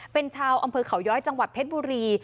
เป็นชาวอำเภอเขาย้อยจังหวัดเพชรบุรี